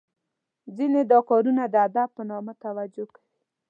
ځینې دا کارونه د ادب په نامه توجه کوي .